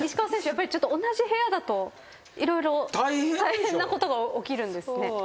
やっぱりちょっと同じ部屋だと色々大変なことが起きるんですね。